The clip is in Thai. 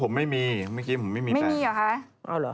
ผมไม่มีเมื่อกี้ผมไม่มี๘ลูกไม่มีเหรอคะ